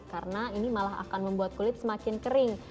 karena ini malah akan membuat kulit semakin kering